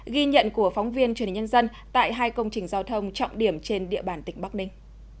ghi nhận của phóng viên truyền hình nhân dân tại hai công trình giao thông trọng điểm trên địa bàn tỉnh bắc ninh